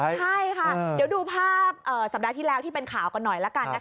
ใช่ค่ะเดี๋ยวดูภาพสัปดาห์ที่แล้วที่เป็นข่าวกันหน่อยละกันนะคะ